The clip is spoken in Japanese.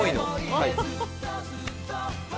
はい。